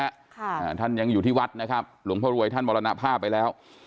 อ่าท่านยังอยู่ที่วัดนะครับหลวงพ่อรวยท่านมรณภาพไปแล้ว